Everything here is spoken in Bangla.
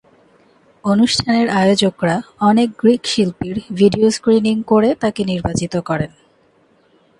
অনুষ্ঠানের আয়োজকরা অনেক গ্রিক শিল্পীর ভিডিও স্ক্রিনিং করে তাকে নির্বাচিত করেন।